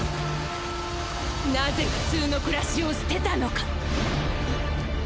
何故普通の暮らしを捨てたのか！